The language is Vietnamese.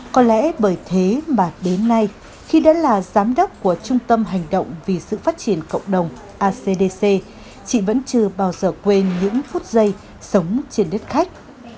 có lẽ bởi thế mà đến nay khi đã là giám đốc của trung tâm hành động vì sự phát triển cộng đồng acdc chị vẫn chưa bao giờ quên những phút giây sống trên đất khách